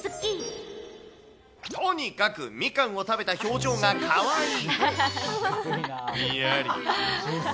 とにかくみかんを食べた表情がかわいい。